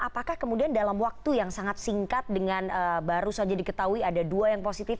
apakah kemudian dalam waktu yang sangat singkat dengan baru saja diketahui ada dua yang positif